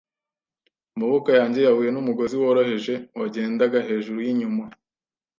amaboko yanjye yahuye n'umugozi woroheje wagendaga hejuru yinyuma